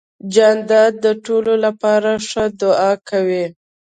جانداد د ټولو لپاره ښه دعا کوي.